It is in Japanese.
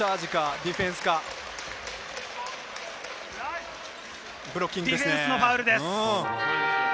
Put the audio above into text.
ディフェンスのファウルです。